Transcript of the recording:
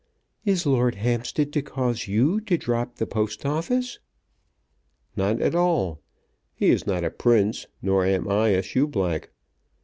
"Is Lord Hampstead to cause you to drop the Post Office?" "Not at all. He is not a prince nor am I a shoeblack.